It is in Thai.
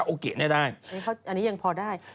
อันนี้ยังพอได้